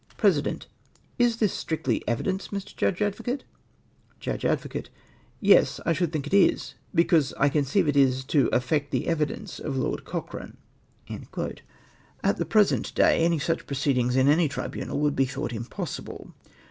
President. —" Is this strictly evidence, Mr. Judge Advocate?" Judge Advocate. —" Fes // shoidd think it is; be cause I conceive it is to affect the evidence of Lord Cochrane !! I" {Minutes, p. 163.) At the present day such proceedings in any tribunal Avould be thought impossible.